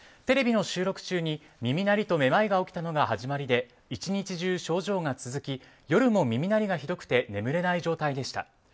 テレビの収録中に耳鳴りとめまいが起きたのが始まりで１日中症状が続き夜も耳鳴りがひどくて眠れない状態でした。